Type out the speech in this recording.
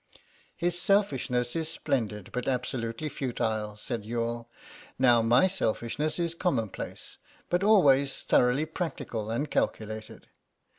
"His selfishness is splendid but absolutely futile," said Youghal; "now my selfishness is commonplace, but always thoroughly practical and calculated.